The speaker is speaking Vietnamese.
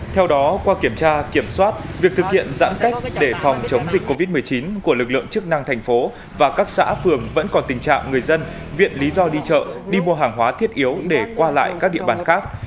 theo đó qua kiểm tra kiểm soát việc thực hiện giãn cách để phòng chống dịch covid một mươi chín của lực lượng chức năng thành phố và các xã phường vẫn còn tình trạng người dân viện lý do đi chợ đi mua hàng hóa thiết yếu để qua lại các địa bàn khác